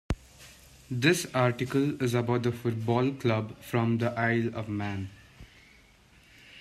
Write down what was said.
This article is about the football club from the Isle of Man.